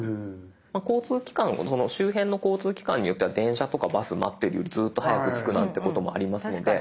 まあその周辺の交通機関によっては電車とかバス待ってるよりずっと早く着くなんてこともありますので。